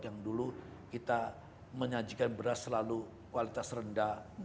yang dulu kita menyajikan beras selalu kualitas rendah